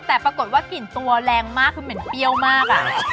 แต่ปรากฏว่ากลิ่นตัวแรงมากคือเหม็นเปรี้ยวมาก